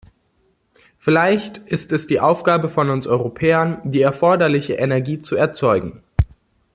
Vielleicht ist es die Aufgabe von uns Europäern, die erforderliche Energie zu erzeugen.